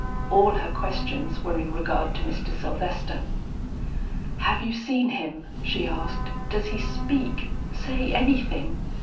All her questions were in regard to Mr. Sylvester. "Have you seen him?" she asked. "Does he speak say anything?